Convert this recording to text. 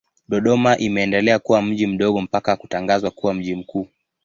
Dodoma imeendelea kuwa mji mdogo mpaka kutangazwa kuwa mji mkuu.